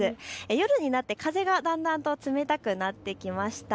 夜になって風がだんだんと冷たくなってきました。